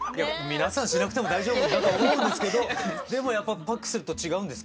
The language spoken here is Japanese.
皆さんしなくても大丈夫だと思うんですけどでもやっぱパックすると違うんですか？